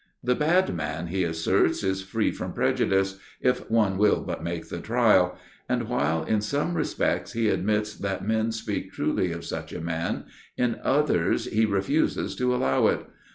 The bad man, he asserts, is free from prejudice, if one will but make the trial, and, while in some respects he admits that men speak truly of such a man, in others he refuses to allow it.